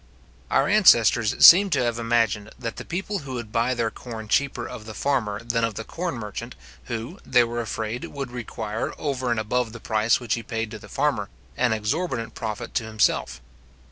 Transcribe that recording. Our ancestors seem to have imagined, that the people would buy their corn cheaper of the farmer than of the corn merchant, who, they were afraid, would require, over and above the price which he paid to the farmer, an exorbitant profit to himself.